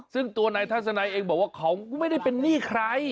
ซึ่งตัวนายทัศนัยเองบอกว่าเขาก็ไม่ได้เป็นหนี้ใคร